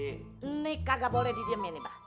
ini kagak boleh didiamin nih pak